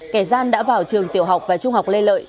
kẻ gian đã vào trường tiểu học và trung học lê lợi